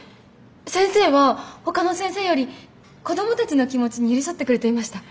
先生はほかの先生より子どもたちの気持ちに寄り添ってくれていました。